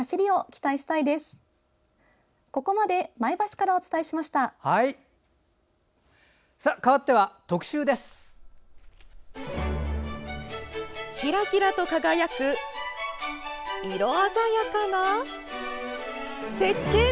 きらきらと輝く色鮮やかなせっけん。